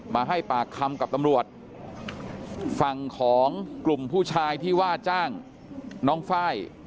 มาให้ปากคำกับตำรวจฝั่งของกลุ่มผู้ชายที่ว่าจ้างน้องไฟล์